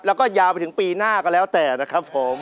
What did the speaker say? แล้วก็ยาวไปถึงปีหน้าก็แล้วแต่นะครับผม